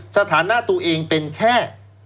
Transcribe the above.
สถานะตัวเองเป็นแค่